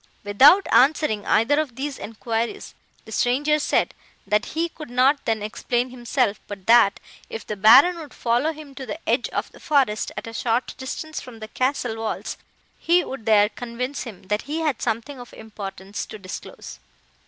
"Without answering either of these enquiries, the stranger said, that he could not then explain himself, but that, if the Baron would follow him to the edge of the forest, at a short distance from the castle walls, he would there convince him, that he had something of importance to disclose.